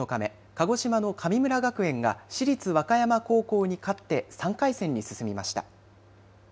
鹿児島の神村学園が市立和歌山高校に勝って３回戦に進みました。